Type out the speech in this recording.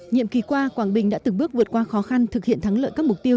nhiệm kỳ qua quảng bình đã từng bước vượt qua khó khăn thực hiện thắng lợi các mục tiêu